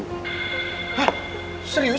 hah serius lo